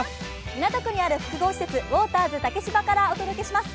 港区にある複合施設、ウォーターズ竹芝からお届けします。